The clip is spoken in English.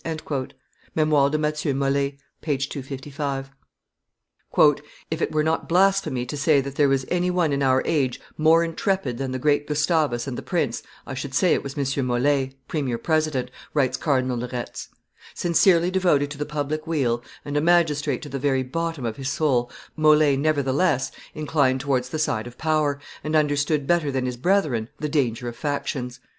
[Memoires de Matthieu Mole, iii. p. 255.] [Illustration: President Mole 355] "If it were not blasphemy to say that there was any one in our age more intrepid than the great Gustavus and the Prince, I should say it was M. Mole, premier president," writes Cardinal de Retz. Sincerely devoted to the public weal, and a magistrate to the very bottom of his soul, Mole, nevertheless, inclined towards the side of power, and understood better than his brethren the danger of factions.